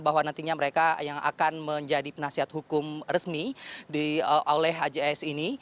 bahwa nantinya mereka yang akan menjadi penasihat hukum resmi oleh hjs ini